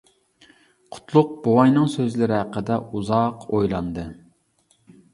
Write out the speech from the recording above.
قۇتلۇق بوۋاينىڭ سۆزلىرى ھەققىدە ئۇزاق ئويلاندى.